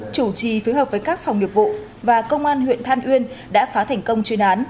chủ trì phối hợp với các phòng nghiệp vụ và công an huyện than uyên đã phá thành công chuyên án